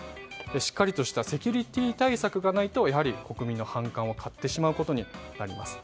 しっかりとしたセキュリティー対策がないと国民の反感を買ってしまうことになります。